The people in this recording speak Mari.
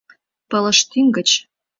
— Пылыштӱҥ гыч.